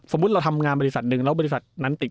เราทำงานบริษัทหนึ่งแล้วบริษัทนั้นติด